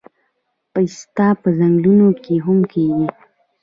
پسته په ځنګلونو کې هم کیږي